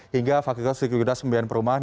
hingga fakultas pembelian perumahan